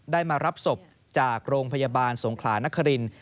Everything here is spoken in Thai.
มารับศพจากโรงพยาบาลสงขลานคริน